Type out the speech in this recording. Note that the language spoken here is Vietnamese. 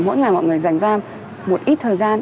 mỗi ngày mọi người dành ra một ít thời gian